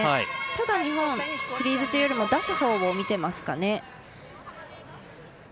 ただ、日本フリーズというよりも出すほうを見てますかね。